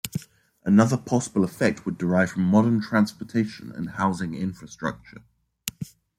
Another possible effect would derive from modern transportation and housing infrastructure.